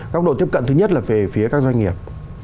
góc độ tiếp cận thứ nhất là về phía các doanh nghiệp